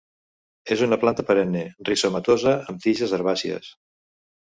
És una planta perenne; rizomatosa amb tiges herbàcies.